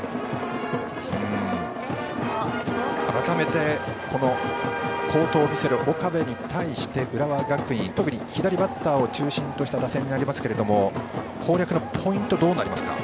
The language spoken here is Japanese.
改めて、この好投を見せる岡部に対して浦和学院、特に左バッターを中心とした打線になりますが攻略のポイントはどうなりますか。